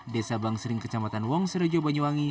desa bangsering kecamatan wong serejo banyuwangi